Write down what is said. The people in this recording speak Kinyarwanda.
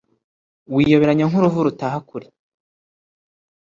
wiyoberanya nk'uruvu rutaha kure